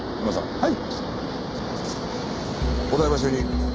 はい！